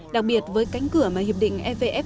đặc biệt với cánh cửa mà hiệp định evf